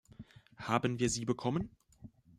Haben wir sie bekommen?